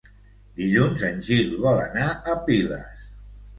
Dilluns en Gil vol anar a Piles.